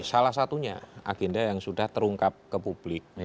salah satunya agenda yang sudah terungkap ke publik